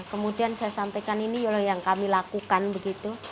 kemudian saya sampaikan ini yang kami lakukan begitu